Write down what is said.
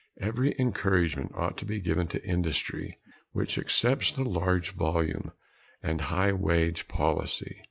Every encouragement ought to be given to industry which accepts the large volume and high wage policy.